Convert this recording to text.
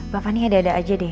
bapak nih ada ada aja deh